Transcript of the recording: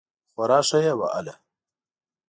خورا ښه یې وهله.